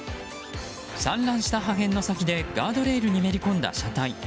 散乱した破片の先でガードレールにめり込んだ車体。